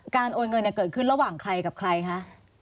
โอนเงินเกิดขึ้นระหว่างใครกับใครคะ